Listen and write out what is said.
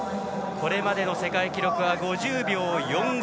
これまでの世界記録は５０秒４５。